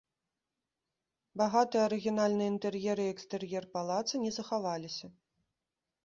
Багаты арыгінальны інтэр'ер і экстэр'ер палаца не захаваліся.